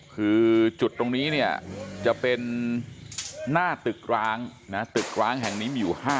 คือจุดตรงนี้เนี่ยจะเป็นหน้าตึกร้างนะตึกร้างแห่งนี้มีอยู่๕